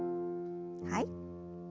はい。